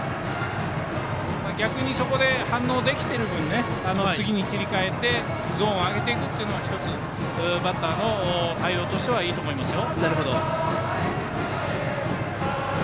逆に、そこで反応できている分次に切り替えてゾーンを上げていくというのが１つ、バッターの対応としてはいいと思いますよ。